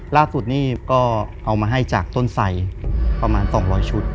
ล่าสุดนี่ก็เอามาให้จากต้นไสประมาณ๒๐๐ชุด